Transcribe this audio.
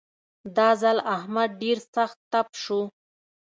دا ځل احمد ډېر سخت تپ شو.